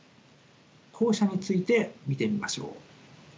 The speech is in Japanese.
後者について見てみましょう。